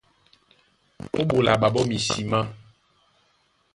Ó ɓola ɓaɓó misimá.